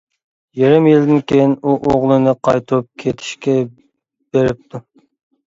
يېرىم يىلدىن كېيىن ئۇ ئوغلىنى قايتۇرۇپ كېتىشكە بېرىپتۇ.